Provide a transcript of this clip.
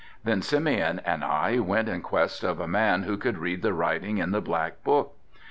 Then Simeon and I went in quest of a man who could read the writing in the black book.